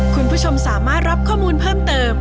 คุณผู้ชมสามารถรับข้อมูลเพิ่มเติม